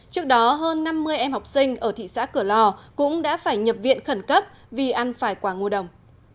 trước đó hơn năm mươi em học sinh ở thị xã cửa lò cũng đã phải nhập viện khẩn cấp vì ăn phải quả ngô đồng